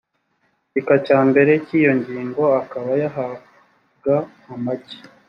gika cya mbere cy iyi ngingo akaba yahabwa amagi